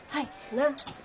なっ。